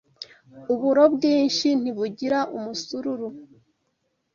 Uburo bwinshi ntibugira umusururu